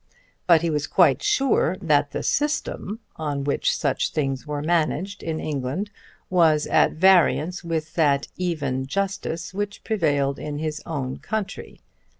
But he was quite sure that the system on which such things were managed in England was at variance with that even justice which prevailed in his own country!